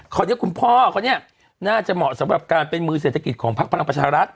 คนนี้คุณพ่อเขาเนี่ยน่าจะเหมาะสำหรับการเป็นมือเศรษฐกิจของพักพลังประชารัฐ